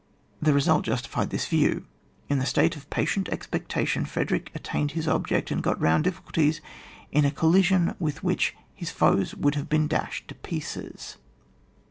The result justified this view : in the state of patient expectation, Frederick attained his object, and got round diffi culties in a collision with which his forces would have been dashed to pieces.